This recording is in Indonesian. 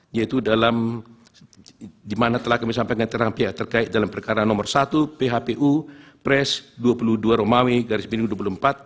yaitu dalam di mana telah kami sampaikan tentang pihak terkait dalam perkara nomor satu phpu pres dua puluh dua romawi garis mini dua puluh empat